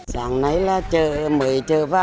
sáng nay là một mươi giờ vào